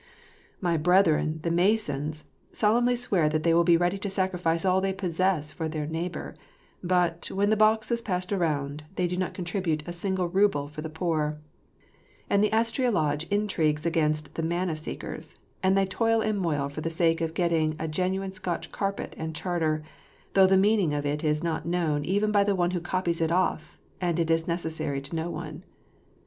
My brethren, the Masons, solemnly swear that they wiU be ready to sacrifice all they possess for their neighbor; but, when the box is passed around, they do not contribute a single ruble for the poor ; and the Astraea lodge intrigues against the ^^ Manna Seekers," and they toil and moil for the sake of getting a gen %iine Scotch carpet and charter, though the meaning of it is not known even by the one who copies it off, and it is necessary to no one.